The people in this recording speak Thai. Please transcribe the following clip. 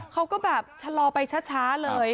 เขาก็แบบชะลอไปช้าเลย